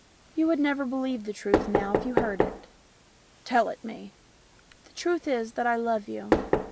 " You would never believe the truth now if you heard it." "Tell it me." "The truth is that I love you."